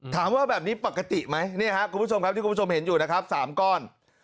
ถามว่าแบบนี้ปกติไหมเนี่ยครับคุณผู้ชมครับที่คุณผู้ชมเห็นอยู่นะครับ๓ก้อน